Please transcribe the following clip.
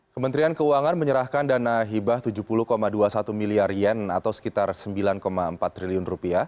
kementerian keuangan menyerahkan dana hibah rp tujuh puluh dua puluh satu miliar yen atau sekitar rp sembilan empat triliun